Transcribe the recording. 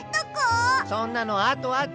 そんなのあとあと！